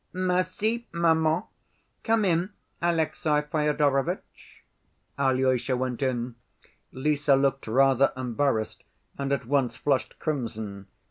"Merci, maman. Come in, Alexey Fyodorovitch." Alyosha went in. Lise looked rather embarrassed, and at once flushed crimson.